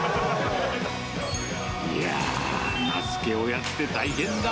いやー、名付け親って大変だ。